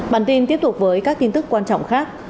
bản tin tiếp tục với các tin tức quan trọng khác